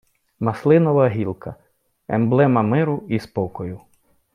Маслинова гілка — емблема миру і спокою